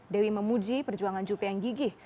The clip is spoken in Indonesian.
dewi memuji perjuangan juppe yang gigih